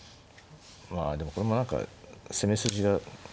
まあでもこれも何か攻め筋が。